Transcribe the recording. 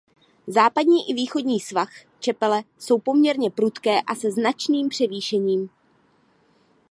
Západní i východní svah Čepele jsou poměrně prudké a se značným převýšením.